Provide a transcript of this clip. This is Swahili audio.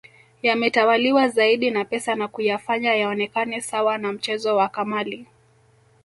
Yametawaliwa zaidi na pesa na kuyafanya yaonekane sawa na mchezo wa kamali